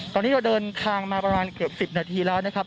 ตอนนี้เราเดินทางมาประมาณเกือบ๑๐นาทีแล้วนะครับ